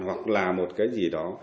hoặc là một cái gì đó